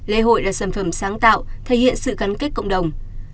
lễ hội là sản phẩm sáng tạo thể hiện sự gắn kết cộng đồng